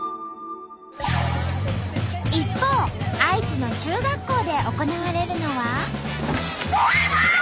一方愛知の中学校で行われるのは。